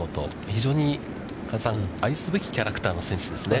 非常に、加瀬さん、愛すべきキャラクターの選手ですね。